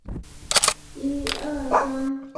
张津后又被他的属将区景所杀。